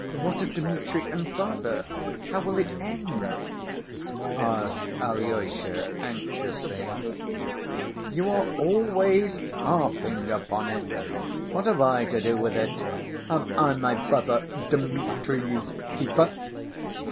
"What of Dmitri and father? how will it end?" asked Alyosha anxiously. "You are always harping upon it! What have I to do with it? Am I my brother Dmitri's keeper?"